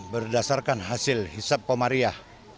berdasarkan hasil hisap pomariah